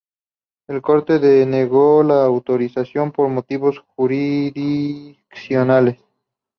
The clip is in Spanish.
La Corte denegó la autorización por motivos jurisdiccionales.